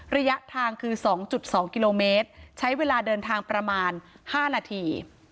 ระยะทางคือ๒๒กิโลเมตรใช้เวลาเดินทางประมาณ๕นาที